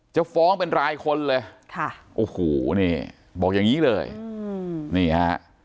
จะฟ้องเป็นรายคนเลยค่ะโอ้โหนี่บอกอย่างนี้เลยนี่ฮะ